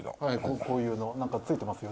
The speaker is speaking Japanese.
こういうの何かついてますよね。